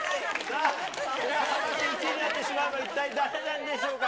さあ、１位になってしまうのは一体誰なんでしょうか。